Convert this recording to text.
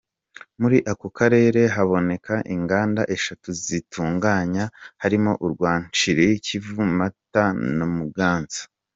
Muri ako karere haboneka inganda eshatu zigitunganya, harimo urwa Nshiri- Kivu, Mata na Muganza.